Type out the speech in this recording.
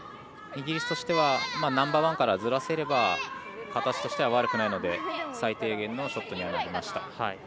イギリスとしてはナンバーワンからずらせれば形としては悪くないので最低限のショットになりました。